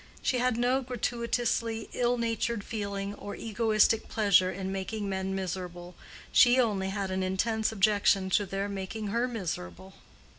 She had no gratuitously ill natured feeling, or egoistic pleasure in making men miserable. She only had an intense objection to their making her miserable.